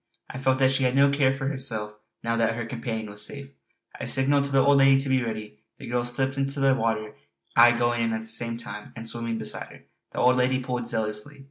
I felt that she had no care for herself, now that her companion was safe. I signalled to the old lady to be ready; the girl slipped into the water, I going in at the same time and swimming beside her. The old lady pulled zealously.